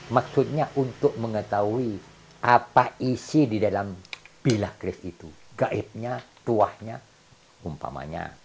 maksudnya untuk mengetahui apa isi di dalam bila krif itu gaibnya tuahnya umpamanya